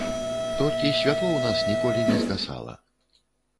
Толькі святло ў нас ніколі не згасала.